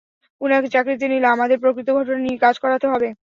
উনাকে চাকরিতে নিলে আমাদের প্রকৃত ঘটনা নিয়েই কাজ করাতে হবে।